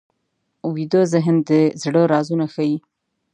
ویده ذهن د زړه رازونه ښيي